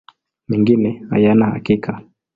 Mengine hayana hakika.